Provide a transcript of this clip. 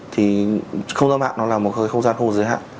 thì không gian mạng nó là một không gian hồ giới hạn